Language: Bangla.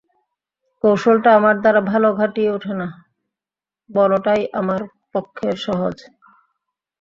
কৌশলটা আমার দ্বারা ভালো ঘটিয়া ওঠে না–বলটাই আমার পক্ষে সহজ।